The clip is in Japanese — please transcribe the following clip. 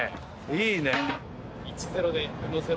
いいね！